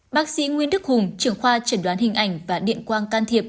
bác sĩ nguyên đức hùng trưởng khoa trần đoán hình ảnh và điện quang can thiệp